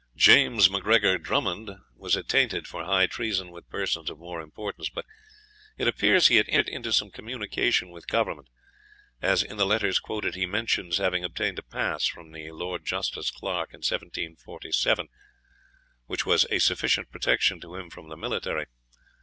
James MacGregor Drummond was attainted for high treason with persons of more importance. But it appears he had entered into some communication with Government, as, in the letters quoted, he mentions having obtained a pass from the Lord Justice Clerk in 1747, which was a sufficient protection to him from the military.